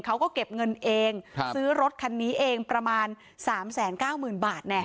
เขาก็เก็บเงินเองครับซื้อรถคันนี้เองประมาณสามแสนเก้าหมื่นบาทแน่